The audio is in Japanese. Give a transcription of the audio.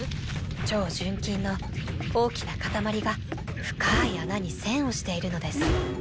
超純金の大きな塊が深い穴に栓をしているのです。